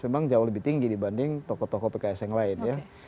memang jauh lebih tinggi dibanding tokoh tokoh pks yang lain ya